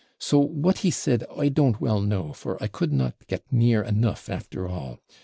So what he said I don't well know, for I could not get near enough, after all.